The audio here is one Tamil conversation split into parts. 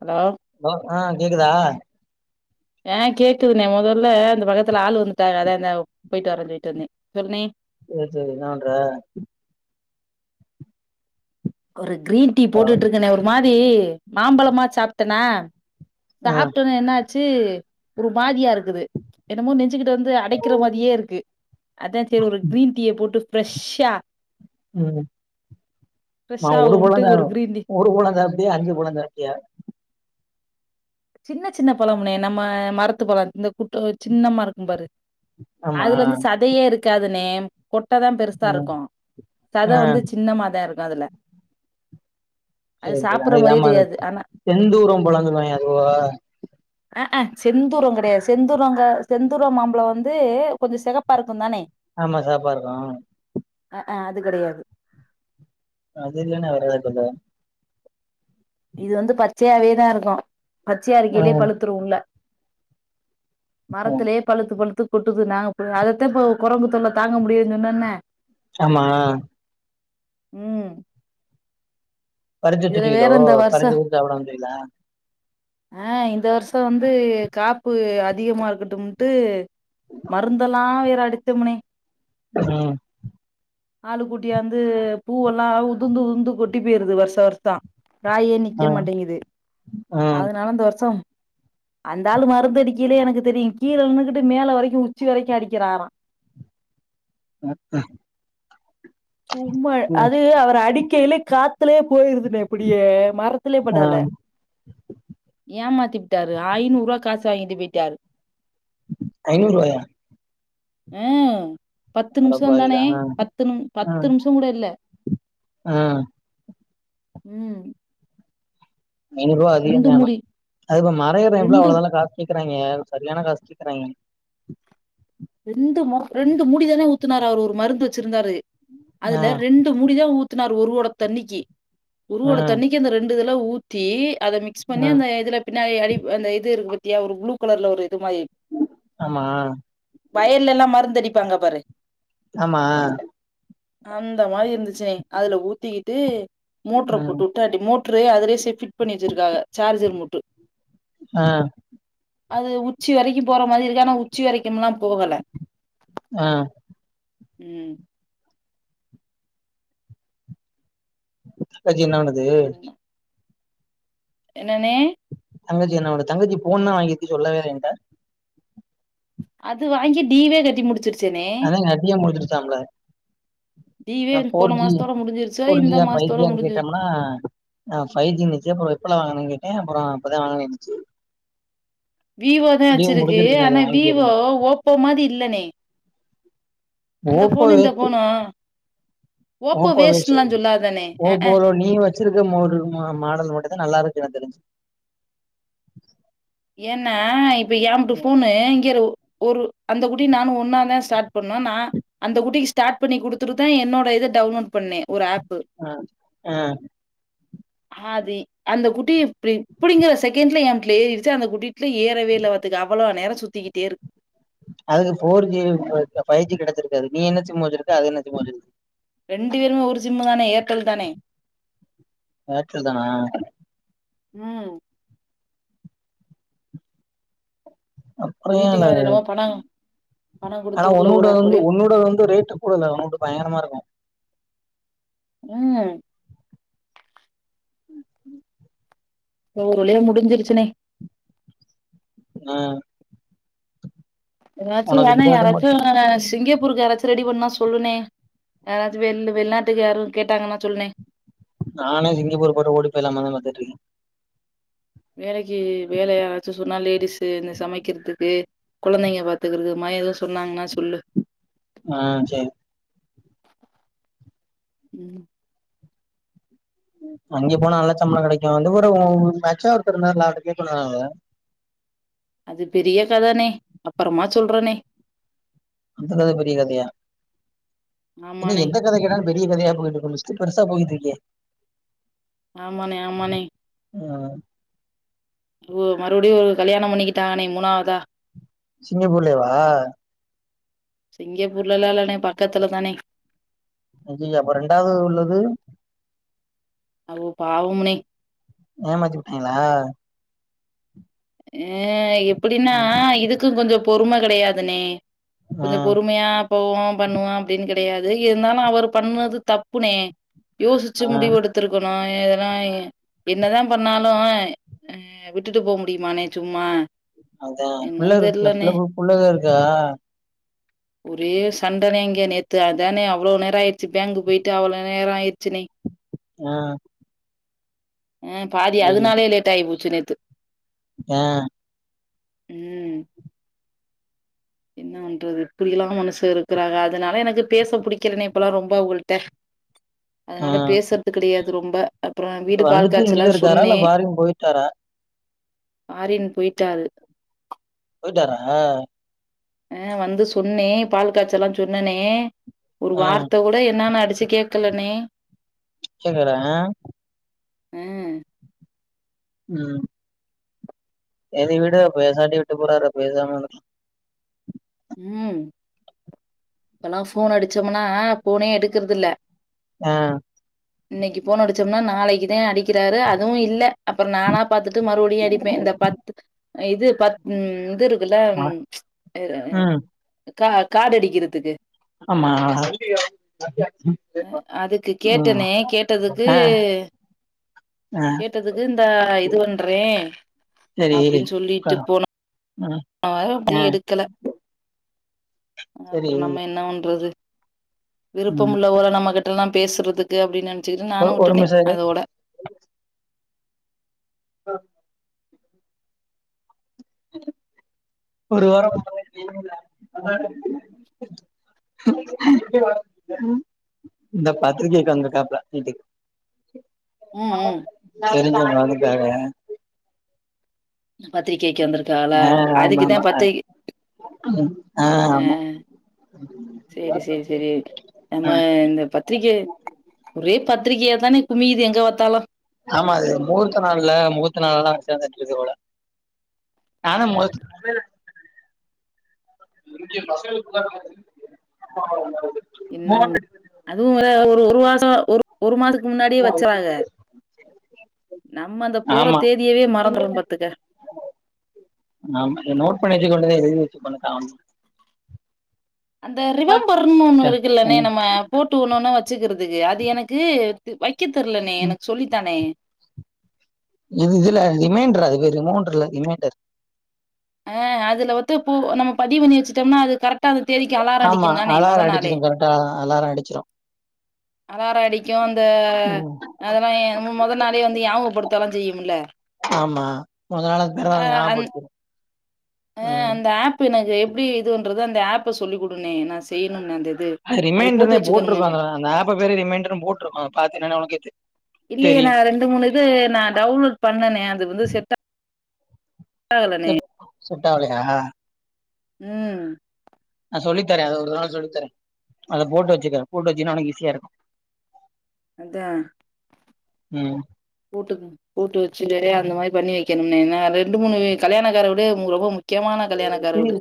அலோ ஹலோ ஆ கேக்குதா அ கேக்குதுண்ணே மொதல்ல அந்த பக்கத்துல ஆள் வந்துட்டாக அதா அந்த போயிட்டு வரேன் சொல்லிட்டு வந்தே சொல்ணே சேர் சேரி என்ன பண்ற ஒரு கிரீன் டீ ஆ போட்டுட்டு இருக்கணே ஒரு மாரி மாம்பழமா சாப்ட்டனா சாப்ட்டொனே என்னாச்சு ஒரு மாதியாரு க்குது என்னமோ நெஞ்சுக்கிட்ட வந்து அடைக்கிற மாதியே இருக்கு அதா சேரி ஒரு கிரீன் டீய போட்டு ஃப்ரஷ்ஷா ம் மா ஒரு ஃப்ரெஷ்ஷாவுன்ட்டு ஒரு பழந்தானோ கிரீன் டீ ஒரு பழோ சாப்டியா அஞ்சு பழோ சாப்டியா சின்ன சின்ன பழம்னே நம்ம மரத்து பழோ இந்த குட்டோ சின்னமா இருக்கும் பாரு ஆமா அதுலந்து சதையே இருக்காதுண்ணே கொட்டதா பெருசா ம் இருக்கு சத ஆ வந்து சின்னமாதா இருக்கு அதுல சேரி சேரி அது சாப்புட்ற மாரியே ஏமார தெரியாது ஆனா செந்தூரம் பழோன் சொல்லுவாய்ங்க அதுவா அ அ செந்தூரோ கெடையாது செந்தூரோங்க செந்தூரோ மாம்பழோ வந்து கொஞ்சோ செகப்பாருக்குந் தானே ஆமா செவப்பா இருக்கு அ அ அ அது கெடையாது அ அது இல்லனா வேற எத சொல்லுத இது வந்து பச்சையாவேதா இருக்கு பச்சையா ஆ இருக்கைலியே பழுத்துரு உள்ள ஆ மரத்துலியே பழுத்து பழுத்து கொட்டுது நாங்க போ அதத்த இப்ப கொரங்கு தொல்ல தாங்க முடியிலன் சொன்னொன்ன ஆமா ம் இதுல வேற பறச்சிட்ருக்கீலோ இந்த பறச்சு ஊத் சாப்ட வந்தீளா அ இந்த வர்ஷோ வந்து காப்பு அதிகமா இருக்கட்டும்ட்டு மருந்தெல்லா வேற அடித்தமுணே ம் ஆளு கூட்டியாந்து பூவெல்லா உதுந்து உதுந்து கொட்டி போயிருது வருஷா வருஷோ காயே ஆ நிக்க மாட்டேங்குது ஆ அதனால இந்த வருஷ அந்தாலு மருந்தடிக்கையிலே எனக்கு தெரியு கீழ நின்னுகிட்டு மேல வரைக்கு உச்சி வரைக்கு அடிக்கிறாரா ம் சும்மா அது அவர் அடிக்கையிலே காத்துலே போயிருதுனே அப்படியே மரத்திலே ஆ படல ஏமாத்திபுட்டாரு ஐநூறு ரூவா காசு வாங்கிட்டு பேய்ட்டாரு ஐநூறுவாயா அ பத்து நிமிஷோ தானே அடப்பாவிகளா ஆ பத்து ந ஆ பத் ஆ ம் ஐநூரூவா அதிகோ ரெண்டு தா ஆனா மூடி அது இப்ப மரோ ஏற எல்லா ரெண்டு அவ்ளோதல்லா காசு கேக்குறாய்ங்க சரியான காசு கேக்குறாய்ங்க ரெண்டு ம ரெண்டு முடிதானே ஊத்துனாரு அவரு ஒரு மருந்து வச்சிருந்தாரு ஆ அதுல ரெண்டு முடி தா ஊத்துனாரு ஒரு ஓட தண்ணிக்கு ஒரு ஆ ஓட தண்ணிக்கு அந்த ரெண் டு இதல்லா ஊத்தி அத மிக்ஸ் பண்ணி ஆ அந்த இதுல பின்னாடி அடி அந்த இது இருக்கு பாத்தியா ஒரு ப்ளு கலர்ல ஒரு இது ஆமா வயல்ல எல்லா மருந்தடிப்பாங்க பாரு ஆமா அந்த மாரி இருந்துச்சுனே அதுல ஊத்திக்கிட்டு மோட்ர ம் போட்டு விட்டாட்டி மோ ட்ரே அதலே ச ஃபிட் பண்ணி வச்சிருக்காக சார்ஜர் மூட்டு அ அது உச்சி வரைக்கு போற மாறி இருக்கு ஆனா உச்சி வரைக்கும்ல்லா போகல ஆ ம் அத்தாசி என்ன பண்ணுது என்னன்னே தங்கச்சி என்ன பண் தங்கச்சி போன்லா வாங்கிருக்கு சொல்லவே இல்ல என்ட்ட அது வாங்கி டீவே கட்டி முடிச்சிரு அதாங்க அப்பியே முடிஞ்சிருச்சாம்ல டீவே போன மாசத்தோட முடிஞ் ஃபோர் ஜியா ஃபைவ் ஜியனு கேட்டோம்னா ஃபைவ் ஜிணுச்சு அப்பறம் எப்பல வாங்குனே கேக்குது ஏன் அப்புறம் அப்பதா வாங்கனேச்சு விவோ தா வச்சிருக்கு ஆனா இது வாங்கி விவோ அப்டின்னுச்சு ஓப்போ மாதிரி இல்லனே அந்த ஓப்போ போனு இந்த வேஸ்ட் போனா ஓப்போ வச்சு அ ஓப்போல நீ வச்சிருக்க மாடல் மட்டு தா நல்லா இருக்கு என்ன தெரிஞ்சு ஏன்னா இப்ப ஏம்புட்டு போனு இங்கயரு ஒரு அந்த குட்டி நானு ஒன்னா தா ஸ்டார்ட் பண்ணோ நா அந்த குட்டிக்கு ஸ்டார்ட் பண்ணி கொடுத்துட்டு தா என்னோட இது டவுன்லோட் பண்ணே ஒரு ஏப் ஆ ஆ ஆதி அந்த குட்டி இப்படி இப்படிங்கிற செகண்ட்ல என்டல ஏறிடுச்சு அந்த குட்டி ஏறவே இல்ல பாத்துக்க அவ்வளோ நேரம் சுத்திக்கிட்டே இருக்கு அதுக்கு ஃபோர் ஜி ஃபைவ் ஜி கிடைச்சிருக்காது நீ என்ன சிம் வச்சிருக்க அது என்ன சிம் வச்சிருக்கு ரெண்டு பேருமே ஒரு சிம்மு தானே ஏர்டெல் தானே ஏர்டெல் தானா உம் அப்புற ஏ இல்ல வீட்டுக்கார என்னமோ பண்ணாங்க ஆனா ஒன்னுட வந்து உன்னுட வந்து ரேட்ட கூடல ஒன்னுட்டு பயங்கரமா இருக்கு உம் ஹ ஒரு வழியா முடிஞ்சிருச்சுனே ஆஹ் ஏதாச்சும் ஏன்னா மட்டு யாராச்சும் சிங்கப் பூருக்கு யாராச்சும் ரெடி பண்ண சொல்லுனே யாராச்சும் வெள் வெளிநாட்டுக்கு யாராச்சும் கேட்டாங்கன்னா சொல்லுனே நானே சிங்கப்பூர் போயிட்டு ஓடிப்போயில்லாமா பாத்துட்டு இருக்கேன் வேலைக்கு வேலை யாராச்சும் சொன்னா லேடிஸ் இந்த சமைக்கிறதுக்கு குழந்தைங்க பாத்துக்கறது ம ஏதோ சொன்னாங்கன்னா சொல்லு ஆஹ் சரி உம் அங்கே போனா நல்லா சம்பளம் கிடைக்கும் வந்து ஒரு மச்சான் ஒருத்தர் இருந்தார் இல்ல அவர்ட கேக்கவேண்டியது தானே அது பெரிய கதனே அப்புறமா சொல்றனே அந்த கதை பெரிய கதையா இன்ன ஆமாண்ணே, எந்த கதை கேட்டாலு பெரிய கதையா போயிட்டு இருக்கு லிஸ்ட் பெருசா போயிட்டு இருக்கே ஆமானே ஆமானே உஹ் மறுபடியும் ஒரு கல்யாணம் பண்ணிக்கிட்டாங்கனே மூணாவதா சிங்கப்பூர்லேயேவா சிங்கப்பூர்லலாம் இல்லன்னே பக்கத்துல தானே அய்யய்ய அப்போ ரெண்டாவது உள்ளது அவு பாவம்னே ஏமாத்தி புட்டீங்களா அஹ எப்படின்னா இதுக்கும் கொஞ்சம் பொறுமை கிடையாதுனே கொஞ்சம் ம் பொறுமையா போவோம் பண்ணுவோம் அப்படின்னு க கிடையாது இருந்தாலும் அவர் பண்ணது தப்புனே யோசிச்சு ஆ முடிவு எடுத்திருக்கணும் என்னதான் பண்ணாலும் அஹ் விட்டுட்டு போக முடியுமானே சும்மா அதான் பிள்ள என்னன்னு இருக்குல்ல தெரியலண்ணே! பிள்ளைக்கு புள்ளைளா இருக்கா ஒரே சண்டனே இங்க நேத்து அதானே அவ்வளவு நேரம் ஆயிடுச்சு பேங்கு போயிட்டு அவ்வளவு நேரம் ஆயிச்சுனே ஆஹ் ஹ் பாதி அதனாலே லேட்டாகி போச்சு நேத்து ஆஹ் உம் என்ன பண்றது இப்படி எல்லாம் மனுச இருக்கறாங்க அதனால எனக்கு பேச புடிக்கலனே இப்பல்லாம் ரொம்ப அவங்கள்ட்ட ஆ அதனால பேசுறது கெடயாது ரொம்ப அப்பறம் வீடு பால் வந்துட்டு காய்ச்ச இங்கதா எல்லாம் இருக்காரா சொன்னே இல்ல ஃபாரின் போயிட்டாரா ஃபாரின் பொயிட்டாரு போயிட்டாரா அஹ் வந்து சொன்னே பால் காய்ச்ச எல்லா சொன்னனே ஒரு ஆ வார்த்தை கூட என்னன்னு அடிச்சு கேக்கலனே கேட்கல அஹ் ம் உம் செரி விடு பேசாட்டி விட்டு போறரு பேசாம இரு உம் இப்பல்லாம் போன் அடிச்சோம்னா போனே எடுக்கறதில்ல ஆஹ் இன்னைக்கு போனடிச்சோம்னா நாளைக்குதான் அடிக் கிராரு அதுவும் இல்ல அப்பறம் நானா பாத்துட்டு மறுபடியும் அடிப்பேன் இந்த பத்து இது பத் இது இருக்குல்ல ஆ, ம் கா கார்டு அடிக்கிறதுக்கு ஆமா அதுக்கு ம் கேட்டனே கேட்டதுக்கு ஆ ஆ கேட்டதுக்கு இந்தா இது பண்றே சரி அப்படின் சொல்லிட்டு உக்காரு போனு ம் அ அப்டே ஆ எடுக்கல அ சரி அப்பறம் நம்ம என்ன பண்றது விருப்பம் ம் உள்ள போல நம்ம கிட்டல்லாம் பேசுறதுக்கு அப்டின் செரின் ஒரு நானு ஒரு வுட்டுட்டே நிமிஷோ இரு அதோட [inaudible] ஒரு வாரோ [inaudible] இந்த பத்ரிக்க வெக்க வந்துருக்காப்லா வீட்டுக் ம் ம் தெரிஞ்சவங்க அதுக்காக பத்திரிக்க வெக்க வந்திருக்கால ஆ அதுக்குதா பத்திரிக் [unintelligible] அ ஆ ஆமா சேரி சேரி சேரி நம்ம ம் இந்த பத்ரிக்கே ஒரே பத்திரிகியா தானே குமியுது எங்க பாத் ஆமா அது முகூர்த்த நாள்ல முகூர்த்த நாளெல்லா சேந்துட்ருக்கு போல ஆனா [inaudible] இங்க பசங்களுக் வேற மாரி [inaudible] இன்ன [unintelligible] அதுவு ஒரு ஒரு ஒரு மாசோ ஒரு ஒரு மாசத் கும் முன்னாடியே வச்சாக நம்ம அந்த போற ஆமா தேதியேவே மறந்துறோ பாத்துக்க ஆமா நோட் பண்ணி வச்சுக்க வேண்டித [inaudible] அந்த ரிவம்பர்ன்னு ஒன்னு இருக்குல்லண்ணே ம் நம்ம போட்டு ஒன்னொன்னா வச்சுக்கிறதுக்கு அது எனக்கு து வை க்க தெர்லணே எனக் சொல்லி தாணே இது இதுல ரிமைண்டர் அது பேரு ரிமோண்ட்ரு இல்ல ரிமைண்டர் அ அதுல வத்து பு நம்ம பதிவ் பண்ணி வெச்சுட்டோம்னா அது கரெக் டா அந்த தேதிக்கு அலார ஆமா அடிக்குந்தானே மொத அலாரம் நாளே அடிச்சிரு கரெக்டா அலாரம் அடிச்சிரு அலார அடிக்கு அந்த ம் அதெல்லா எ மு மொத நாளே வந்து ஞாபக படுத்தெல்லா செய்யும்ல ஆமா மொத நாளே பிறந்தநாள் ஞாபடுத்திரு அ அந்த ஆப்பு எனக்கு எப்டி இது பண்றது அந்த ஆப்பு சொல்லி குடுணே நா செய்யணு அது ரிமைண்டர் தே போட்ருக்கோ அந்த அந்த ஆப்பு பேரே ரிமைண்டருன் போட்ருக்கோ அ பாத்தீனன உனக்கே தெ இல்லையே நா ரெண்டு மூணு இது நா டவுன்லோட் பண்ணணே அது வந்து செட்டா செட் செட் ஆவ்லயா ம் சொல்லித்தரே அத ஒரு நாள் சொல்லித்தரே அத போட்டு வெச்சுக்கறே போட்டு வெச்சின்னா உனக் ஈஸியா இருக்கு அதா ம் போட்டு போட்டு வெச்சுட்டு வேற அந்த மாரி பண்ணி வெக்கணும்ணே ஏனா ரெண்டு மூணு கல்யாணக்கார வீடு மு ரொம்ப மு க்மான கல்யாணோ அது [inaudible] ஜயோ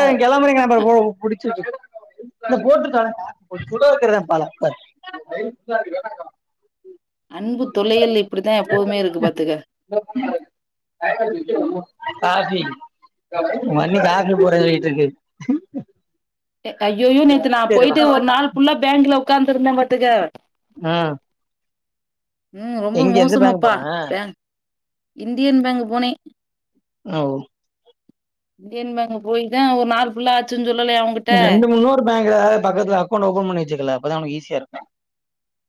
அ நா கெளம்புறேங்க அப்புற போ புடிச்சுட்ருக் [inaudible] அன்பு தொல்லைகள் இப்படித்தா எப்போதுமே இருக்கு பாத்துக்க [inaudible] மண்ணி காக்க போறது வீட்டுக்கு டே அய்யொய்யோ நேத்து நா போய்ட்டு ஒரு நாள் ஃபுல்லா பேங்க்ல உக்காந்ட்ருந்த பாத்துக்க அ ம் ரொம்ப மோசமாப்பா போன பேங் இந்தியன் பேங்க் போனே அ ஒ இந்தியன் பேங்க் போய் தா ஒரு நாளு ஃபுல்லா ஆச்சு ரெண்டு மு இன்னோரு பேங்குல பக்கத்ல அக்கௌண்ட் ஓபன் பண்ணி வெச்சுக்கல அப்பதா உனுக்கு ஈஸியா இருக்கு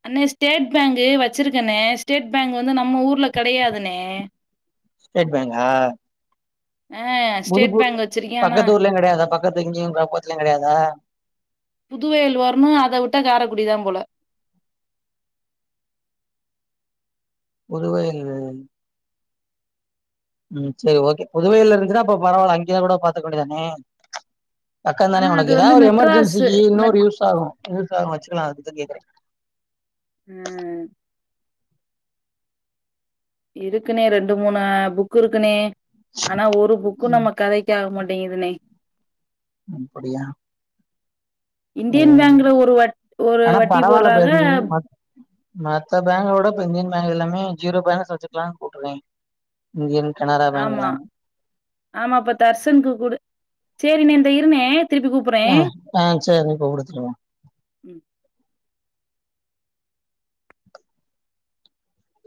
அண்ண ஸ்டேட் பேங்க் வெச்சிருக்கண்ண ஸ்டேட் பேங்க் வந்து நம்ம ஊர்ல கெடையாதுண புதுபூர் பக்கத்தூர்லயு கெடையாதா பக்கத்து இங்கியு பக்கத்துலயு கெடையாதா புதுவையில் வரணு அத விட்டா காரகுடிதான் போல புதுவையில் இல்லைங்கண்ண ம் செரி ஓகே புதுவையில இருந்ச்சுன்னா அப்ப பரவால அங்கயே கூட பாத்துக்க வேண்டியதுதானே பக்கந் தானே ஆனா அது உனக்கு வந்து எதாவது மெட்ராஸு எமர்ஜென்சிக்கு இன்னொரு மெட் யூஸ் ஆகு வெச்சுக்கலாங் வெச்சுக்கலாங் அதுக்குதான் கேக்குறே ம் இருக்குணே ரெண்டு மூணு புக் இருக்குணே ஆனா ஒரு புக்கு ம், நம்ம கதைக்கு ஆக மாட் டேங்குதுணே அப்படியா அதனால இண்டியன் ஒன்னுல்ல பேங்க்ல ஒரு வட் ஒரு ஆனா வட்டி பரவால போடுறாங்க. [unintelligible] மத்த பேங்க விட இப்ப இந்தியன் பேங்க் எல்லாமே ஜீரோ பேலன்ஸ் வெச்சுக்கலானு போட்டுருக்காங்ய் இந்தியன் கனரா பேங்க் ஆமா எல்லாமே ஆமா இப்ப தர்சனுக்கு கூட சேரி ணே இந்தா இருணே ஆ ஆ சேரி நீங்க கூப்பிடுங்க திரும்ப ம்.